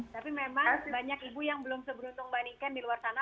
tapi memang banyak ibu yang belum seberuntung mbak niken di luar sana